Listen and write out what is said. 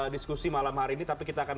diskusi malam hari ini tapi kita akan